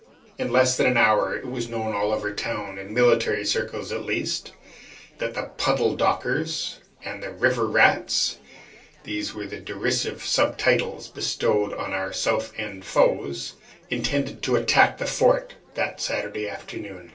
In less than an hour it was known all over town, in military circles at least, that the "Puddle dockers" and the "River rats" (these were the derisive sub titles bestowed on our South End foes) intended to attack the fort that Saturday afternoon.